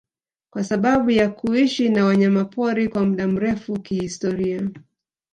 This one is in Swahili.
kwa sababu ya kuishi na wanyamapori kwa muda mrefu kihistoria